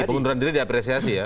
pengunduran diri diapresiasi ya